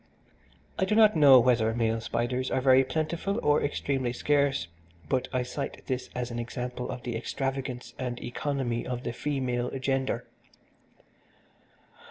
I do not know whether male spiders are very plentiful or extremely scarce, but I cite this as an example of the extravagance and economy of the female gender.